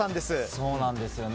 そうなんですよね。